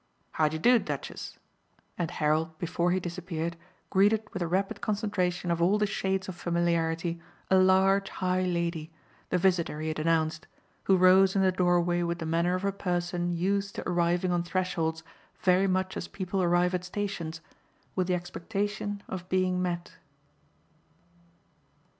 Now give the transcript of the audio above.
How d'ye do, Duchess?" and Harold, before he disappeared, greeted with a rapid concentration of all the shades of familiarity a large high lady, the visitor he had announced, who rose in the doorway with the manner of a person used to arriving on thresholds very much as people arrive at stations with the expectation of being "met."